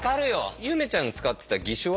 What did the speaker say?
ゆめちゃんが使ってた義手は？